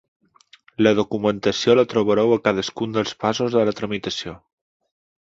La documentació la trobareu a cadascun dels passos de la tramitació.